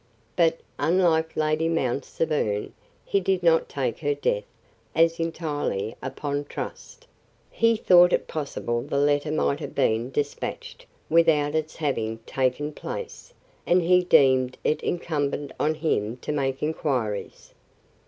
But, unlike Lady Mount Severn, he did not take her death as entirely upon trust; he thought it possible the letter might have been dispatched without its having taken place; and he deemed it incumbent on him to make inquiries.